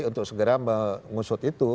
untuk segera mengusut itu